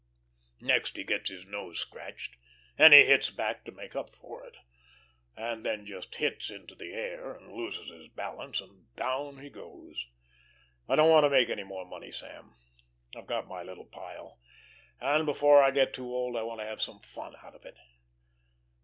Next he gets his nose scratched, and he hits back to make up for it, and just hits into the air and loses his balance and down he goes. I don't want to make any more money, Sam. I've got my little pile, and before I get too old I want to have some fun out of it."